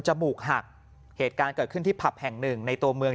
มูกหักเหตุการณ์เกิดขึ้นที่ผับแห่งหนึ่งในตัวเมือง